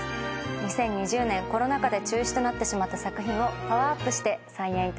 ２０２０年コロナ禍で中止となってしまった作品をパワーアップして再演いたします。